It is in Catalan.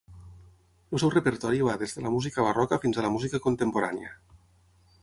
El seu repertori va des de la música barroca fins a la música contemporània.